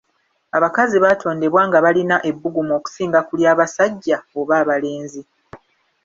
Abakazi baatondebwa nga balina ebbugumu okusinga ku ly'abasajja oba abalenzi.